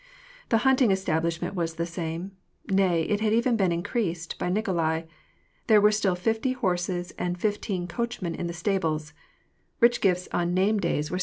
The hunting establishment was the same, nay, it had even been increased bjr Nikolai ; there were still fifty horses and fifteen coachmen m the stables ; rich gifts on name days were • Bdruinya, 280 WAk AND PEACE.